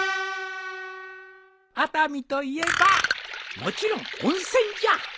熱海といえばもちろん温泉じゃ。